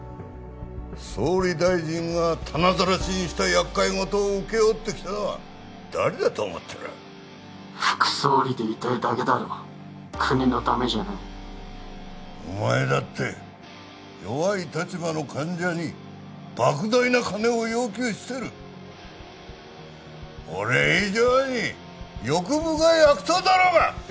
総理大臣がたなざらしにした厄介ごとを請け負ってきたのは誰だと思ってる副総理でいたいだけだろ国のためじゃないお前だって弱い立場の患者に莫大な金を要求してる俺以上に欲深い悪党だろうが！